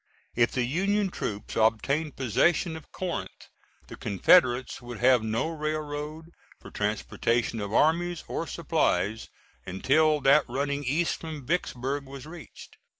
If the Union troops obtained possession of Corinth the Confederates would have no railroad for transportation of armies or supplies until that running east from Vicksburg was reached.